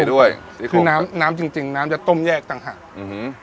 ด้วยคือน้ำน้ำจริงจริงน้ำจะต้มแยกต่างหากอืม